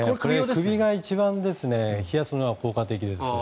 首を一番冷やすのが効果的です。